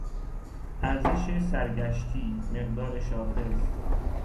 ارزش سرگشتی، مقدار شاخص